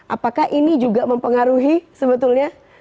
apakah ini juga mempengaruhi sebetulnya